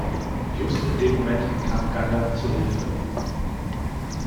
Just in dem Moment kam Gandalf zu Hilfe.